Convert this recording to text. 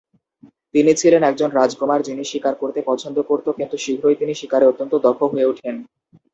তিনি ছিলেন একজন রাজকুমার যিনি শিকার করতে পছন্দ করত কিন্তু শীঘ্রই তিনি শিকারে অত্যন্ত দক্ষ হয়ে উঠেন।